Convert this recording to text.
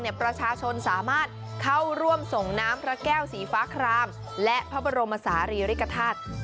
ประชาชนสามารถเข้าร่วมส่งน้ำพระแก้วสีฟ้าครามและพระบรมศาลีริกฐาตุ